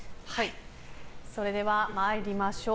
それでは参りましょう。